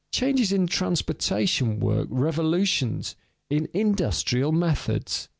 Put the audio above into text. Changes in transportation work revolutions in industrial methods.